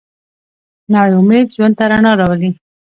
نوی امید ژوند ته رڼا راولي